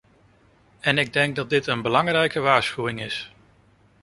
En ik denk dat dit een belangrijke waarschuwing is.